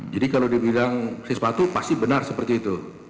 jadi kalau dibilang sesuatu pasti benar seperti itu